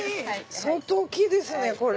相当大きいですよねこれ。